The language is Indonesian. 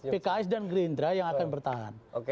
pks dan gerindra yang akan bertahan